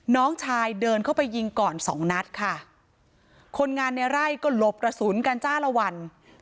น้องชายเดินเข้าไปยิงก่อนสองนัดค่ะคนงานในไร่ก็หลบกระสุนกันจ้าละวัน